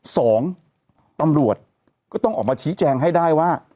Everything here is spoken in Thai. สองตำรวจก็ต้องออกมาชี้แจงให้ได้ว่า